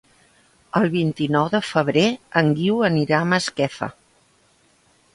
El vint-i-nou de febrer en Guiu anirà a Masquefa.